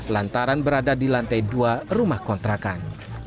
lantaran berada di lantai dua rumah kontrakan